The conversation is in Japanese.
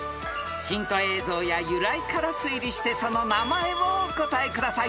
［ヒント映像や由来から推理してその名前をお答えください］